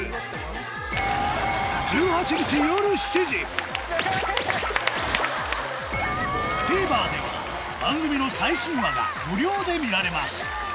次回はＴＶｅｒでは番組の最新話が無料で見られます